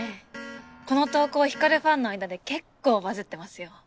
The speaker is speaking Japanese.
この投稿光ファンの間で結構バズってますよ。